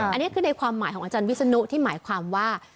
อันนี้คือในความหมายของอาจารย์วิศนุที่หมายความว่า